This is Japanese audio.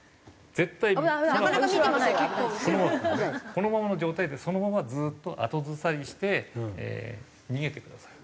このままの状態でそのままずっと後ずさりして逃げてください。